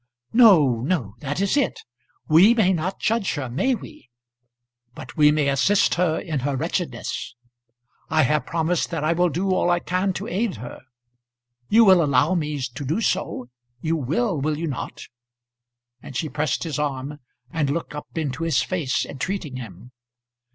"No, no; that is it. We may not judge her; may we? But we may assist her in her wretchedness. I have promised that I will do all I can to aid her. You will allow me to do so; you will; will you not?" And she pressed his arm and looked up into his face, entreating him.